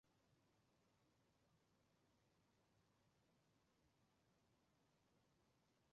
据说设计这项测验是为了藉着对刺激物的投射以反映出人格中的下意识部分。